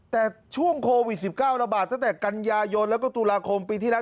แต่ช่วงโควิด๑๙ระบาดตั้งแต่กันยายนแล้วก็ตุลาคมปีที่แล้ว